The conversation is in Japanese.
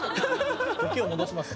時を戻しますか。